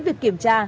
việc kiểm tra